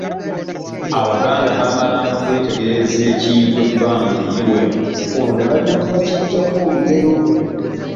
Abaganda baamalanga kwetegerereza ekintu ebbanga eriwera olwo ne balyoka bakiggyako olugero.